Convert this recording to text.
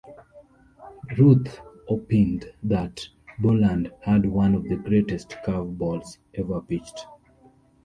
Ruth opined that Boland had one of the greatest curve balls ever pitched.